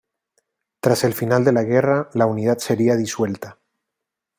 Tras el final de la guerra la unidad sería disuelta.